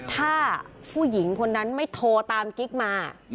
ถ้าผู้หญิงคนนั้นไม่โทรตามกิ๊กมา